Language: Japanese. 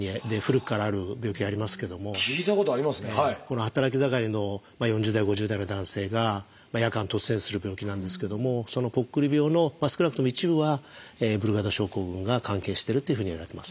働き盛りの４０代５０代の男性が夜間突然死する病気なんですけどもそのぽっくり病の少なくとも一部はブルガダ症候群が関係してるっていうふうにいわれてます。